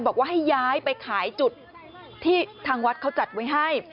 บอกว่าให้ย้ายไปขายจุดที่ทางวัดเขาจัดไว้ให้